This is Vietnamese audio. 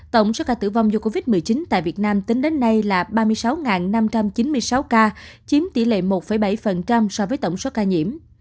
tổng số ca tử vong do covid một mươi chín tại việt nam tính đến nay là ba mươi sáu năm trăm chín mươi sáu ca chiếm tỷ lệ một bảy so với tổng số ca nhiễm